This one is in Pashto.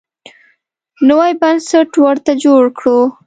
نوی بنسټ ورته جوړ کړو.